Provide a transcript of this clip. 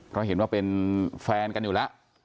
เพราะเห็นว่าเป็นแฟนกันอยู่แล้ว